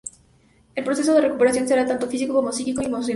El proceso de recuperación será tanto físico como psíquico y emocional.